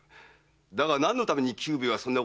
だが何のために久兵衛はそんなことしたのだ？